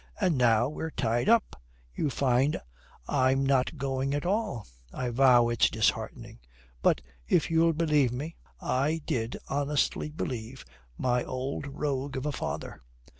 And now we're tied up, you find I'm not going at all. I vow it's disheartening. But if you'll believe me, I did honestly believe my old rogue of a father.